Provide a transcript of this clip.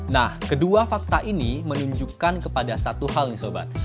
nah kedua fakta ini menunjukkan kepada satu hal nih sobat